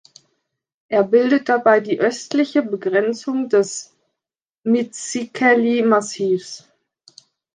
Er bildet dabei die östliche Begrenzung des Mitsikeli-Massivs.